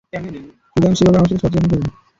সুতরাং সে ব্যাপারে আমার সাথে সদাচরণ করুন।